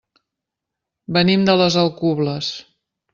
Venim de les Alcubles.